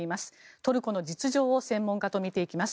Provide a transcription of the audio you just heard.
トルコの実情を専門家と見ていきます。